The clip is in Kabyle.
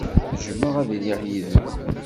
Jjmeɣ ad iliɣ yid-m.